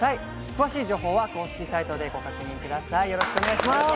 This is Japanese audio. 詳しい情報は公式サイトでご確認ください。